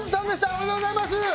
おめでとうございます！